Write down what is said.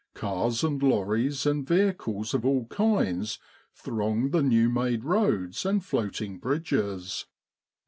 Cars and lorries and vehicles of all kinds thronged the new made roads and floating bridges.